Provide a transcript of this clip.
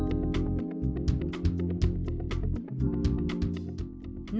kita harus mencapai kesempatan